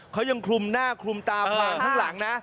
เขายังคลุมหน้าคลุมตาผ่านข้างหลังนะ